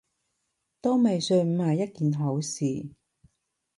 都未嘗唔係一件好事